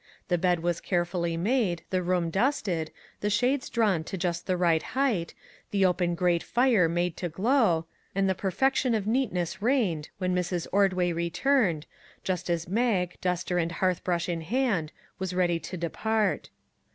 The bed was carefully made, the room dusted, the shades drawn to just the right height, the open grate fire made to glow, and 99 MAG AND MARGARET the perfection of neatness reigned, when Miss Ordway returned, just as Mag, duster and hearth brush in hand, was ready to depart.